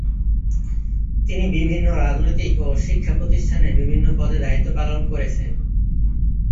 তিনি বিভিন্ন রাজনৈতিক ও শিক্ষাপ্রতিষ্ঠানে বিভিন্ন পদে দায়িত্ব পালন করেছেন।